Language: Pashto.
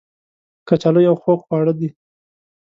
کچالو یو خوږ خواړه دی